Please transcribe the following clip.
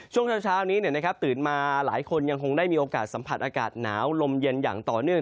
ช่วงเช้านี้ตื่นมาหลายคนยังคงได้มีโอกาสสัมผัสอากาศหนาวลมเย็นอย่างต่อเนื่อง